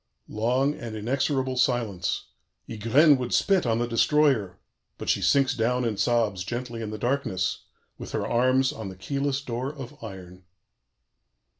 "Long and inexorable silence. Ygraine would spit on the Destroyer, but she sinks down and sobs gently in the darkness, with her arms on the keyless door of iron."